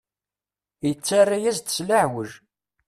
Yettarra-yas-d s leɛweǧ.